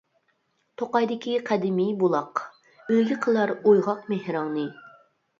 توقايدىكى قەدىمى بۇلاق، ئۈلگە قىلار ئويغاق مېھرىڭنى.